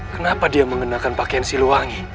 kenapa dia mengenakan pakaian siluwangi